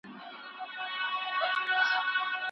ښه دي ستا نازونه، خو لالیه زوړ استاذ یمه